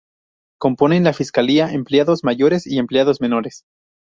Componen la fiscalía "empleados" mayores y empleados menores.